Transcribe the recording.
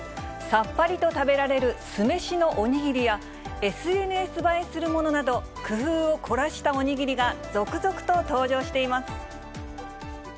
さっぱりと食べられる酢飯のお握りや、ＳＮＳ映えするものなど、工夫を凝らしたお握りが続々と登場しています。